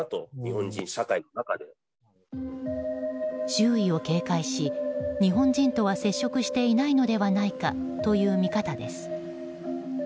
周囲を警戒し日本人とは接触していないのではないかという見方です。